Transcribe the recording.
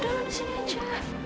udah disini aja